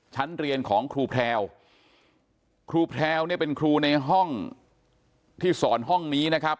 ชั้นเรียนของครูแพลวครูแพลวเนี่ยเป็นครูในห้องที่สอนห้องนี้นะครับ